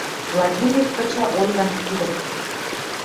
Владимир кыча Ольган кидӹм